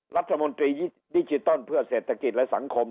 รัฐมนตรีดิจิตอลเพื่อเศรษฐกิจและสังคม